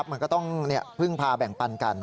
มันก็ต้องพึ่งพาแบ่งปันกัน